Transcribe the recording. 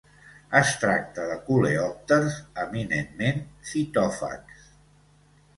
Es tracta de coleòpters eminentment fitòfags.